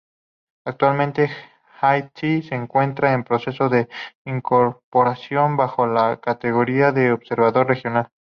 Actualmente, Haití se encuentra en proceso de incorporación bajo la categoría de Observador Regional.